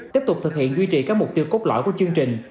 tiếp tục thực hiện duy trì các mục tiêu cốt lõi của chương trình